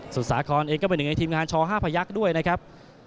สาครเองก็เป็นหนึ่งในทีมงานช๕พยักษ์ด้วยนะครับ